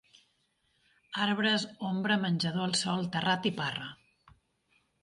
Arbres, ombra, menjador al sol, terrat i parra.